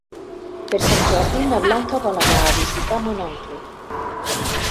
Per Sant Jordi na Blanca vol anar a visitar mon oncle.